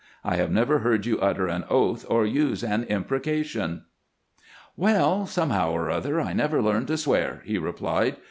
I have never heard you utter an oath or use an impreca tion." "Well, somehow or other, I never learned to swear," he replied.